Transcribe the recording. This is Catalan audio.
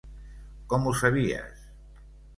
Com ho sabies?